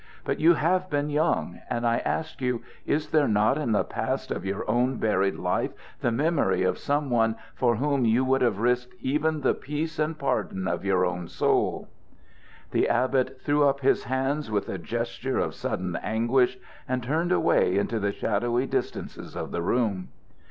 But you have been young; and I ask you, is there not in the past of your own buried life the memory of some one for whom you would have risked even the peace and pardon of your own soul?" The abbot threw up his hands with a gesture of sudden anguish, and turned away into the shadowy distances of the room.